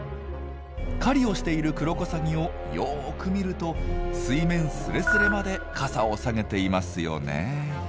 狩りをしているクロコサギをよく見ると水面スレスレまで傘を下げていますよね。